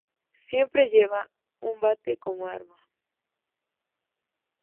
Siempre lleva un bate como arma.